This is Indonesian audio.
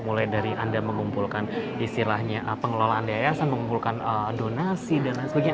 mulai dari anda mengumpulkan istilahnya pengelolaan yayasan mengumpulkan donasi dan lain sebagainya